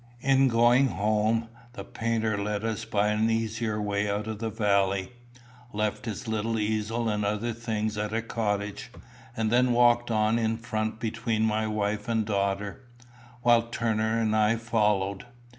In going home, the painter led us by an easier way out of the valley, left his little easel and other things at a cottage, and then walked on in front between my wife and daughter, while Turner and I followed.